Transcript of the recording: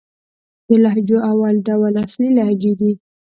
د لهجو اول ډول اصلي لهجې دئ.